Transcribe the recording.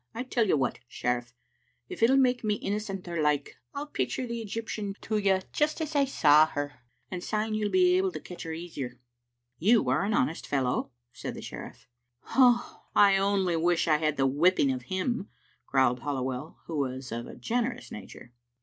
I tell you what, sheriff, if it'll make me innocenter like I'll picture the Eg3rptian to you just as I saw her, and syne you'll be able to catch her easier. " "You are an honest fellow," said the sheriff. "I only wish I had the whipping of him," growled Halliwell, who was of a generous nature.